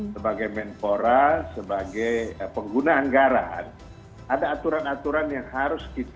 sebagai menpora sebagai pengguna anggaran ada aturan aturan yang harus kita